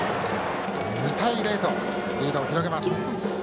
２対０とリードを広げます。